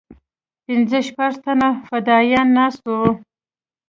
پنځه شپږ تنه فدايان ناست وو.